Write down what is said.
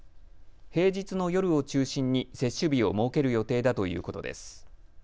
平日の夜を中心に接種日を設ける予定だということです。